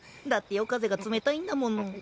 だって夜風が冷たいんだもの。